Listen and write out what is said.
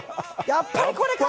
やっぱりこれか！